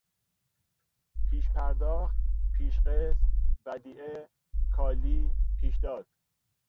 پیش پرداخت، پیش قسط، ودیعه، کالی، پیشداد